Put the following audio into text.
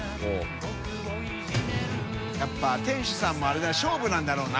笋辰店主さんもあれだな勝負なんだろうな。